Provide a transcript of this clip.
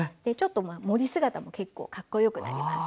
盛り姿も結構かっこよくなります。